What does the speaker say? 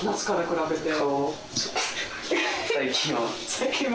最近は？